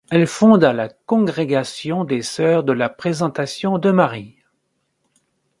Elle fonda la congrégation des Sœurs de la Présentation de Marie.